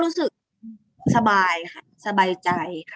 รู้สึกสบายค่ะสบายใจ